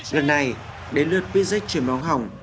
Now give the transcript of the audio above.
lần này đến lượt pizek chuyển bóng hỏng